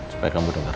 supaya kamu denger